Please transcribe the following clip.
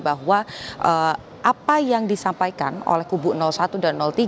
bahwa apa yang disampaikan oleh kubu satu dan tiga